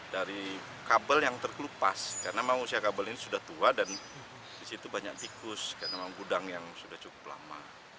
dari kabel yang terkelupas karena memang usia kabel ini sudah tua dan disitu banyak tikus karena memang gudang yang sudah cukup lama